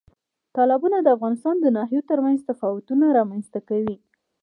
تالابونه د افغانستان د ناحیو ترمنځ تفاوتونه رامنځ ته کوي.